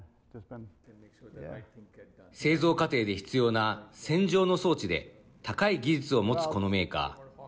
製造過程で必要な洗浄の装置で高い技術を持つ、このメーカー。